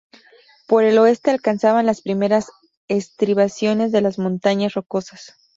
Por el oeste alcanzaban las primeras estribaciones de las Montañas Rocosas.